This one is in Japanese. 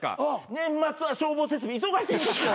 年末は消防設備忙しいんですよ。